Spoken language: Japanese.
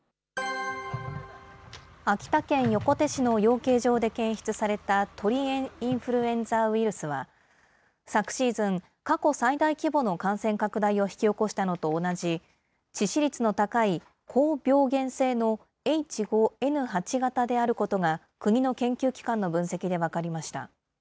秋田県横手市の養鶏場で検出された鳥インフルエンザウイルスは、昨シーズン、過去最大規模の感染拡大を引き起こしたのと同じ、致死率の高い高病原性のＨ５Ｎ８型であることが、国の研究機関の分析で分かりました。